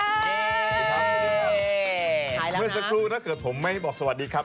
เมื่อสักครู่ถ้าเกิดผมไม่บอกสวัสดีครับ